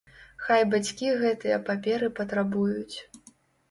Хай бацькі гэтыя паперы патрабуюць.